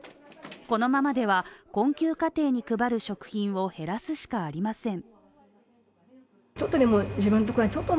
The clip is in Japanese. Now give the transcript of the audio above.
このままでは困窮家庭に配る食品を減らすしかありません。